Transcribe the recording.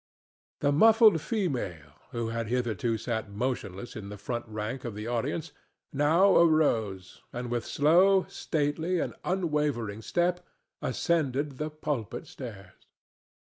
The muffled female, who had hitherto sat motionless in the front rank of the audience, now arose and with slow, stately and unwavering step ascended the pulpit stairs.